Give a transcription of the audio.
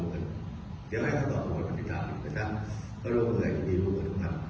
เดี๋ยวให้ต่อมาว่ามั้งตามแต่ซักก็รูมมือกันทุกท่าน